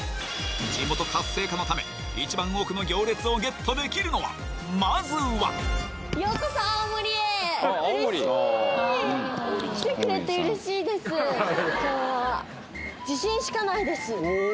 地元活性化のため一番多くの行列をゲットできるのはまずは嬉しい来てくれて嬉しいです